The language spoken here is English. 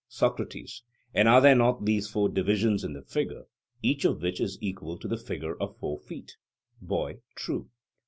SOCRATES: And are there not these four divisions in the figure, each of which is equal to the figure of four feet? BOY: True.